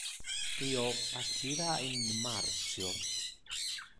Io partira in martio.